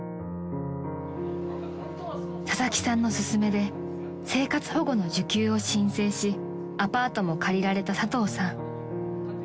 ［佐々木さんの勧めで生活保護の受給を申請しアパートも借りられた佐藤さん］